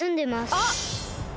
あっ！